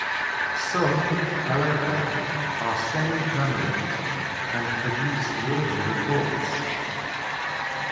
Some, however, are semi-permanent, and produce yearly reports.